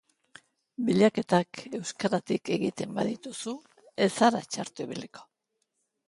Bilaketak euskaratik egiten badituzu ez zara txarto ibiliko.